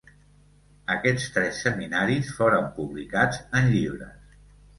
Aquests tres seminaris foren publicats en llibres.